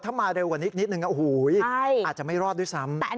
ถ้ามาเร็วกว่านิดนิดนึงอ่ะอาจจะไม่รอดด้วยซ้ำ